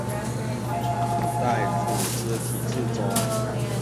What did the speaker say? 在组织体制中